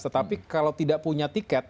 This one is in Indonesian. tetapi kalau tidak punya tiket